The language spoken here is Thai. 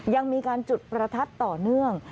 ยังมีการจุดประทัดต่อเนื่อง